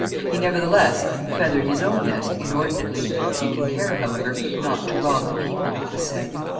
He nevertheless feathered his own nest inordinately, taking care, however, not to rob the people, it was said.